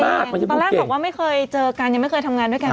ตอนแรกบอกว่าไม่เคยเจอกันยังไม่เคยทำงานด้วยกัน